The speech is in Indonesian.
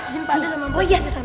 jin pak deh sama bos kita kesana